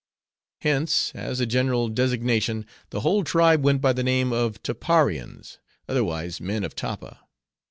Hence, as a general designation, the whole tribe went by the name of Tapparians; otherwise, Men of Tappa.